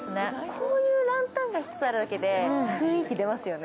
そういうランタンが１つあるだけで雰囲気出ますよね。